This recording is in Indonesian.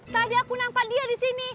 tadi aku nampak dia di sini